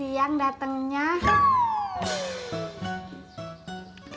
emang belum rejeki kita punya anak